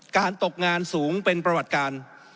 ตกงานสูงเป็นประวัติการ